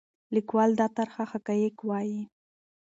لیکوال دا ترخه حقایق وایي.